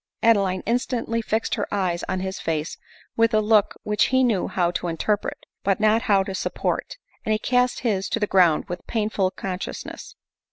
Adeline instantly fixed her fine eyes on his face with a look which he knew how to interpret, but not how to sup port ; and he cast his to the ground with painful con sciousness.